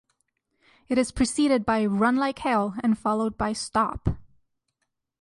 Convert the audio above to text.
It is preceded by "Run Like Hell" and followed by "Stop".